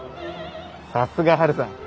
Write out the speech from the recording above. さすがハルさん